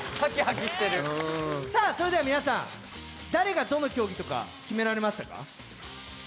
それでは皆さん、誰がどの競技とか決められましたか？